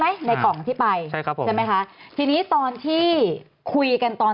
ในกล่องที่ไปใช่ครับผมใช่ไหมคะทีนี้ตอนที่คุยกันตอน